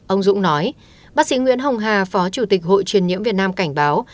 ông dũng nói bác sĩ nguyễn hồng hà phó chủ tịch hội truyền nhiễm việt nam cảnh báo